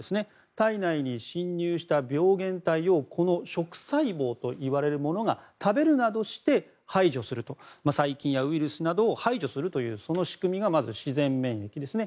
体内に侵入した病原体をこの食細胞といわれるものが食べるなどして細菌やウイルスなどを排除するという仕組みが自然免疫ですね。